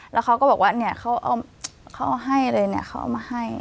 แล้วเขาก็บอกว่าเนี่ยเขาเอาให้เลยเนี่ยเขาเอามาให้